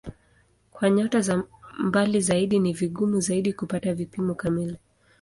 Kwa nyota za mbali zaidi ni vigumu zaidi kupata vipimo kamili.